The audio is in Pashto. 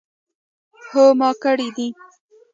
هو ما کړی دی